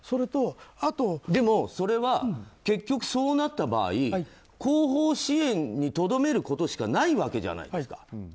でも、それは結局そうなった場合後方支援にとどめることしかないわけじゃないですか。